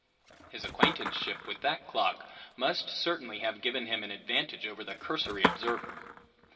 His acquaintanceship with that clock must certainly have given him an advantage over the cursory observer!